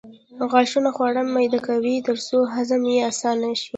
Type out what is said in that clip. غاښونه خواړه میده کوي ترڅو هضم یې اسانه شي